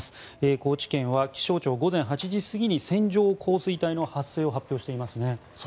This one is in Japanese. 高知県は気象庁が午前８時過ぎに線状降水帯の発生を発表していますね。